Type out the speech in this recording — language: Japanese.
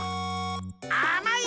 あまい！